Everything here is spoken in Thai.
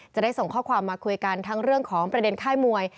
จะได้ส่งข้อความมาคุยกันทั้งเรื่องของประเด็นค่ายมวย